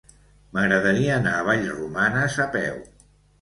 M'agradaria anar a Vallromanes a peu.